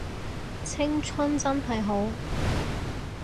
青春真係好